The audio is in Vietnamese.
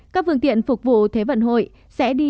các phương tiện phục vụ thế vận hội sẽ đi